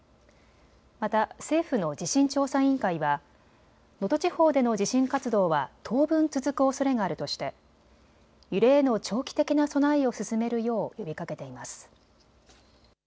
また政府の地震調査委員会は能登地方での地震活動は当分続くおそれがあるとして揺れへの長期的な備えを進めるよう呼びかけています。